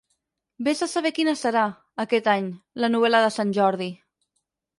Ves a saber quina serà, aquest any, la novel·la de Sant Jordi!